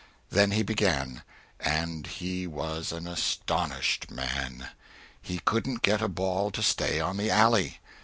Then he began, and he was an astonished man. He couldn't get a ball to stay on the alley.